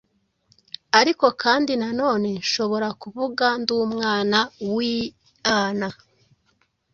Ariko kandi na none nshobora kuvuga ndumwana wiana